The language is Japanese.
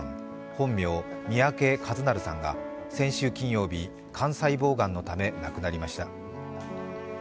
本名・三宅一生さんが先週金曜日、肝細胞がんのため亡くなりました。